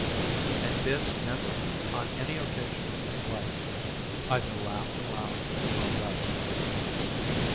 And Bibbs never, on any occasion of his life, either laughed aloud or wept.